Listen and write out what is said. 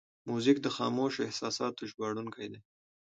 موزیک د خاموشو احساساتو ژباړونکی دی.